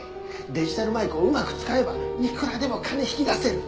デジタル舞子をうまく使えばいくらでも金引き出せる。